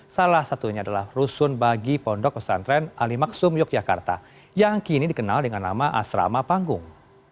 salah satunya adalah rusun bagi pondok pesantren alimaksum yogyakarta yang kini dikenal dengan nama asrama panggung